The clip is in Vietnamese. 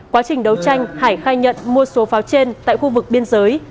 quá trình đấu tranh hải khai nhận mua số pháo trên tại khu vực biên giới